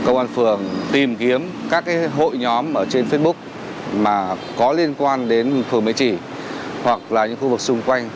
công an phường tìm kiếm các hội nhóm trên facebook có liên quan đến phường mễ trì hoặc là những khu vực xung quanh